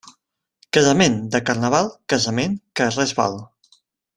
Casament de Carnaval, casament que res val.